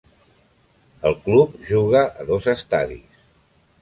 El club juga a dos estadis.